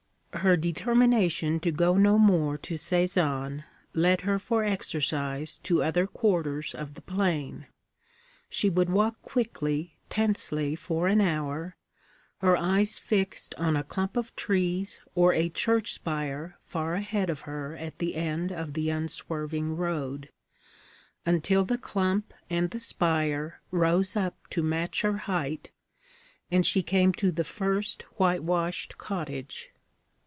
Her determination to go no more to Sézanne led her for exercise to other quarters of the plain. She would walk quickly, tensely, for an hour, her eyes fixed on a clump of trees or a church spire far ahead of her at the end of the unswerving road, until the clump and the spire rose up to match her height and she came to the first whitewashed cottage.